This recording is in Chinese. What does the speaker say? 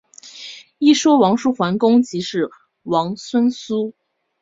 一说王叔桓公即是王孙苏。